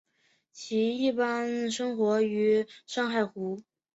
其一般生活于珊瑚礁。